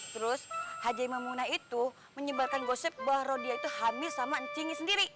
terus haja maimunah itu menyebarkan gosip bahwa dia itu hamil sama ancingnya sendiri